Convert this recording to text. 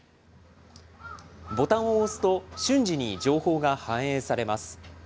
ボタンを押すと、瞬時に情報が反映されます。